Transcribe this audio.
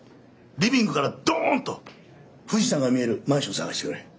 リビングからドンと富士山が見えるマンションを探してくれ！